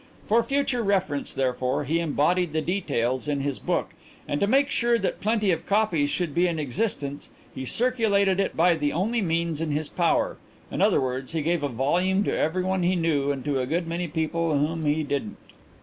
For future reference, therefore, he embodied the details in his book, and to make sure that plenty of copies should be in existence he circulated it by the only means in his power in other words, he gave a volume to everyone he knew and to a good many people whom he didn't.